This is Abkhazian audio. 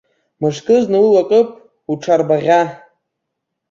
Мышкызны уи уакып уҽарбаӷьа!